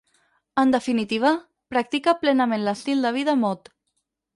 En definitiva, practica plenament l'estil de vida mod.